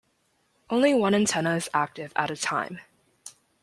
Only one antenna is active at a time.